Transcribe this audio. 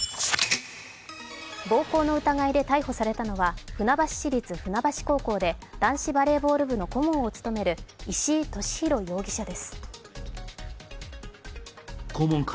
暴行の疑いで逮捕されたのは船橋市立船橋高校で男子バレーボール部の顧問を務める石井利広容疑者です。